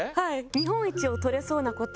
日本一を取れそうな個体